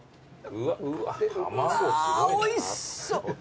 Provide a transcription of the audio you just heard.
うわおいしそう。